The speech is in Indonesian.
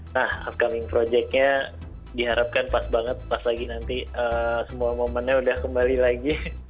nah of coming projectnya diharapkan pas banget pas lagi nanti semua momennya udah kembali lagi